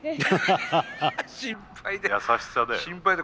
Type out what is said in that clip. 心配で。